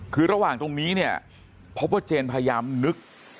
คือระหว่างตรงนี้เนี่ยพบว่าเจนพยายามนึก